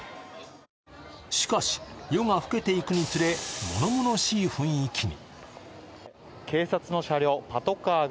しかし、夜が更けていくにつれ、物々しい雰囲気に。